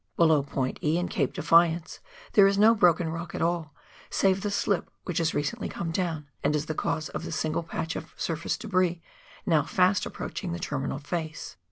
Below point E and Cape Defi ance there is no broken rock at all, save the slip which has recently come down, and is the cause of the single patch of surface debris, now fast approaching the terminal face.